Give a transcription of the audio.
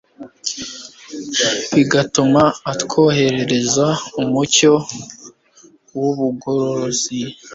bigatuma atwoherereza umucyo wubugorozi